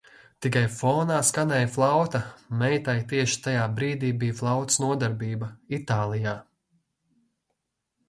Tikai fonā skanēja flauta - meitai tieši tajā brīdī bija flautas nodarbība. Itālijā